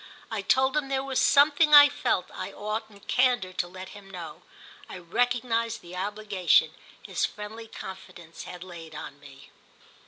I told him there was something I felt I ought in candour to let him know—I recognised the obligation his friendly confidence had laid on me.